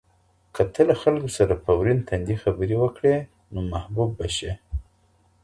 که ته له خلکو سره په ورین تندي خبرې وکړې نو محبوب به شې.